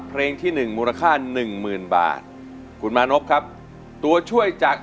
เพลงที่หนึ่งมูลค่าหนึ่งหมื่นบาทคุณมานพครับตัวช่วยจาก